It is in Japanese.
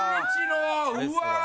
うわ！